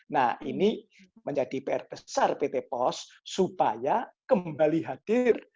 nah ini menjadi pr besar pt pos supaya kembali hadir